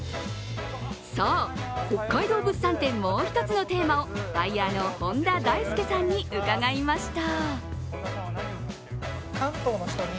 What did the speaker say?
さぁ、北海道物産展、もう１つのテーマをバイヤーの本田大助さんに伺いました。